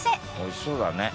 美味しそうだね。